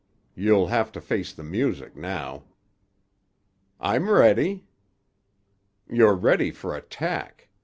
You'll have to face the music now." "I'm ready." "You're ready for attack.